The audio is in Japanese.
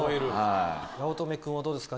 八乙女君はどうですか？